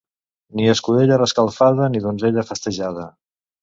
Ni escudella reescalfada ni donzella festejada.